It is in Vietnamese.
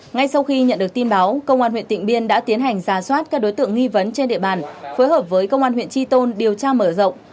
ngay sau khi nhận được tin báo công an huyện tịnh biên đã tiến hành giả soát các đối tượng nghi vấn trên địa bàn phối hợp với công an huyện tri tôn điều tra mở rộng